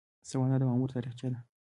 سوانح د مامور تاریخچه ده